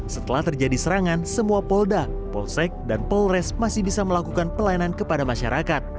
setelah terjadi serangan semua polda polsek dan polres masih bisa melakukan pelayanan kepada masyarakat